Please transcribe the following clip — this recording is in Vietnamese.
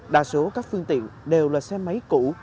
đa số các phương tiện đều là xe máy cũ